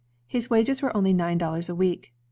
His wages were only nine dollars a week.